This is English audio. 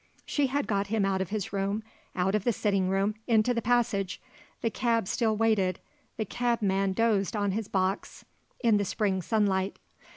She had got him out of his room, out of the sitting room, into the passage. The cab still waited, the cabman dozed on his box in the spring sunlight.